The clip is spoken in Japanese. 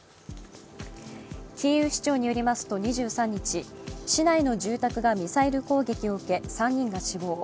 キーウ市長によりますと２３日、市内の住宅がミサイル攻撃を受け３人が死亡。